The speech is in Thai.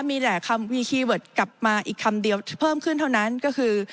มีแต่คำวีคีย์เวิร์ดกลับมาอีกคำเดียวที่เพิ่มขึ้นเท่านั้นก็คือ